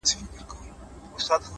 • ویل خدایه څه ښکرونه لرم ښکلي ,